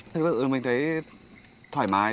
thật sự mình thấy thoải mái